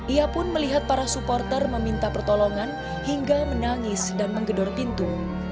ia pun melihat para supporter meminta pertolongan hingga menangis dan menggedor pintu